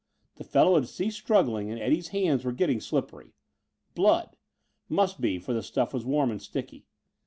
The fellow had ceased struggling and Eddie's hands were getting slippery. Blood! Must be, for the stuff was warm and sticky.